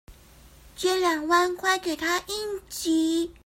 借兩萬塊給她應急